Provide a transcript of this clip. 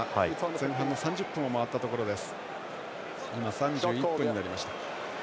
前半の３０分を回ったところです。